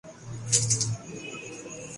کوئی وثوق سے نہیں کہہ سکتا کہ کیا ہونے کو ہے۔